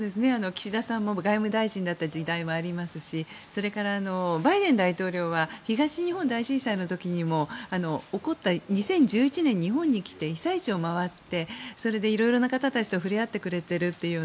岸田さんも外務大臣だった時代もありますしそれからバイデン大統領は東日本大震災にも２０１１年、日本に来て被災地を回って、色々な方たちと触れ合ってくれているという。